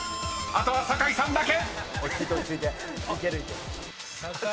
あとは酒井さんだけ］